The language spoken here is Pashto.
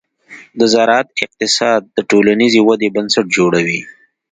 د زراعت اقتصاد د ټولنیزې ودې بنسټ جوړوي.